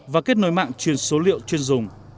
và kết nối mạng truyền số liệu chuyên dùng